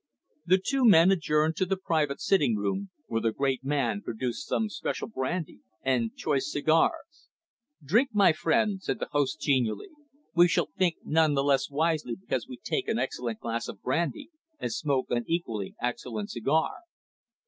The two men adjourned to the private sitting room, where the great man produced some special brandy and choice cigars. "Drink, my friend," said the host genially. "We shall think none the less wisely because we take an excellent glass of brandy and smoke an equally excellent cigar."